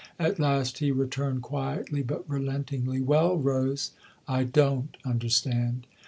At last he returned quietly, but relentingly :" Well, Rose, I don't understand."